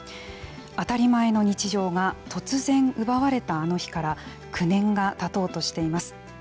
当たり前の日常が突然奪われたあの日から９年がたとうとしています。